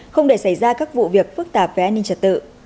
không để xảy ra các vụ việc phức tạp về an ninh trật tự